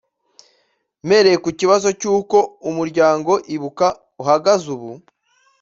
Mpereye kukibazo cy’uko umuryango Ibuka uhagaze ubu